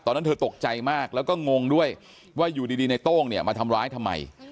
ตอนนั้นเธอตกใจมากแล้วก็งงด้วยว่าอยู่ดีในโต้งเนี่ยมาทำร้ายทำไม